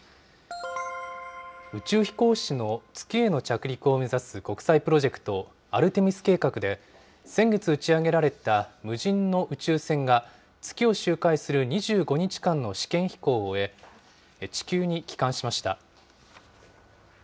宇宙飛行士の月への着陸を目指す国際プロジェクト、アルテミス計画で、先月打ち上げられた無人の宇宙船が、月を周回する２５日間の試験飛行を終え、地球に帰還しました。